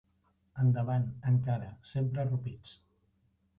Endavant encara, sempre arrupits